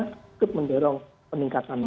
cukup mendorong peningkatan